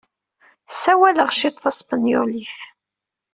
Ssawaleɣ cwiṭ taspenyulit.